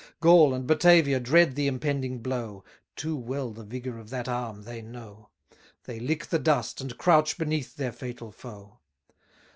Gaul and Batavia dread the impending blow; Too well the vigour of that arm they know; They lick the dust, and crouch beneath their fatal foe.